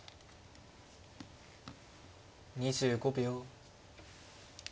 ２５秒。